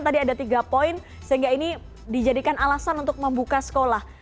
tadi ada tiga poin sehingga ini dijadikan alasan untuk membuka sekolah